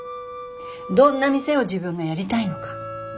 どんな店を自分がやりたいのか。